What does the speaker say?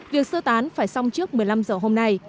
việc sơ tán phải xong trước một mươi năm giờ hôm nay